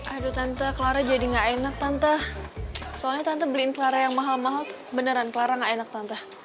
aduh tante clara jadi nggak enak tante soalnya tante beliin clara yang mahal mahal beneran clara gak enak tante